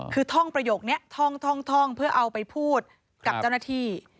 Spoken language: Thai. คือท่องประโยคนี้ท่องเพื่อเอาไปพูดกับเจ้าหน้าที่